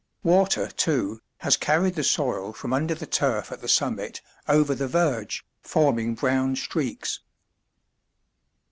Water, too, has carried the soil from under the turf at the summit over the verge, forming brown streaks.